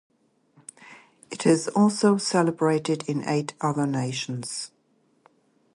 It is also celebrated in eight other nations.